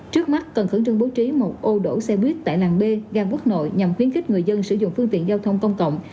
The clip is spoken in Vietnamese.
trước mắt cần khẩn trương bố trí một ô đổ xe buýt tại làng b ga quốc nội nhằm khuyến khích người dân sử dụng phương tiện giao thông công cộng